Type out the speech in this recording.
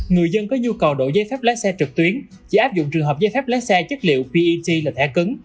người dân có nhu cầu đổi giấy phép lái xe trực tuyến chỉ áp dụng trường hợp giấy phép lái xe chất liệu pet là thẻ cứng